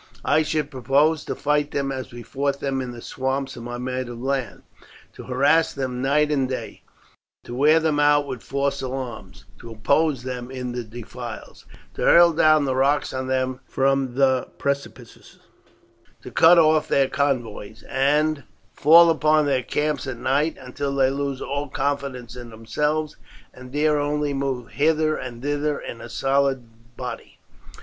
"I should propose to fight them as we fought them in the swamps of my native land to harass them night and day, to wear them out with false alarms, to oppose them in the defiles, to hurl down the rocks on them from precipices, to cut off their convoys, and fall upon their camps at night, until they lose all confidence in themselves, and dare only move hither and thither in a solid body.